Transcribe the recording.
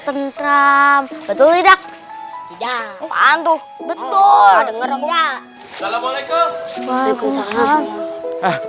tentram betul tidak pantuh betul dengernya assalamualaikum waalaikumsalam